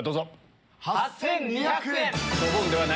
８２００円！